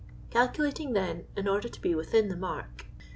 Calculating Uien, in order to be within the mark.